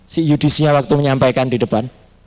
si judisinya waktu menyampaikan di depan